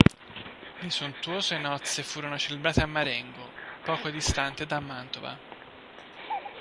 Le sontuose nozze furono celebrate a Marengo, poco distante da Mantova.